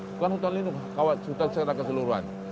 bukan hutan lindung kawat hutan secara keseluruhan